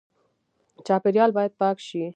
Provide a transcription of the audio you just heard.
چاپیریال باید پاک شي